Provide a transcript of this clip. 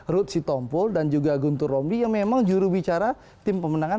ruth sitompul dan juga guntur rombi yang memang juru bicara tim pemenangan